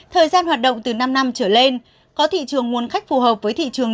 thời gian hoạt động từ năm năm trở lên có thị trường nguồn khách phù hợp với thị trường